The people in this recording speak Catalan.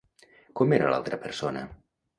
Com era l'altra persona?